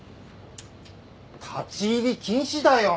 立ち入り禁止だよー。